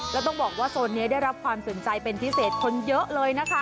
แล้วต้องบอกว่าโซนนี้ได้รับความสนใจเป็นพิเศษคนเยอะเลยนะคะ